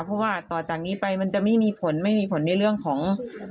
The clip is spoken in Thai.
เพราะว่าต่อจากนี้ไปมันจะไม่มีผลไม่มีผลในเรื่องของ